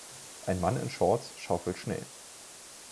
Ein Mann in Shorts schaufelt Schnee.